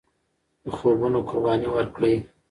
د خوبونو قرباني ورکړئ.